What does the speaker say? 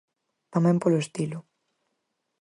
Tamén polo estilo.